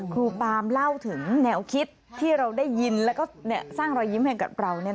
ครูปามเล่าถึงแนวคิดที่เราได้ยินแล้วก็สร้างรอยยิ้มให้กับเรา